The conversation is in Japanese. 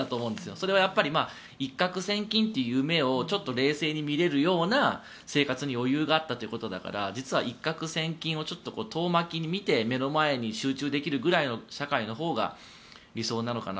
それは一獲千金という夢をちょっと冷静に見れるような生活に余裕があったということだから実は一攫千金を遠巻きに見て目の前に集中できる社会のほうが理想なのかな。